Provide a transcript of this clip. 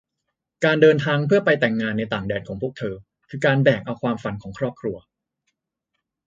การเดินทางเพื่อไปแต่งงานในต่างแดนของพวกเธอ คือการแบกเอาความฝันของครอบครัว